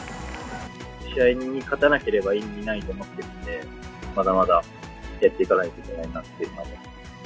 試合に勝たなければ意味ないと思ってるんで、まだまだやっていかないといけないなって。